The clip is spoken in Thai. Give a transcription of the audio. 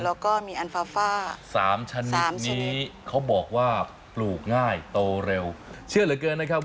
แล้วก็มีอันฟาฟ่าสามชนิดนี้เขาบอกว่าปลูกง่ายโตเร็วเชื่อเหลือเกินนะครับ